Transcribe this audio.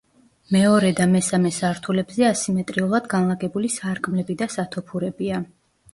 მეორე და მესამე სართულებზე ასიმეტრიულად განლაგებული სარკმლები და სათოფურებია.